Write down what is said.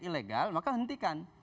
proyek ilegal maka hentikan